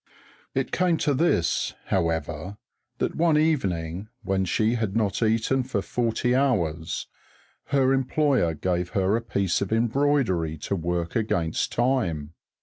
It came to this, however, that one evening, when she had not eaten for forty hours, her employer gave her a piece of embroidery to work against time.